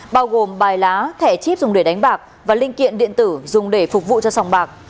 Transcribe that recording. bao gồm bài lá thẻ chip dùng để đánh bạc và linh kiện điện tử dùng để phục vụ cho sòng bạc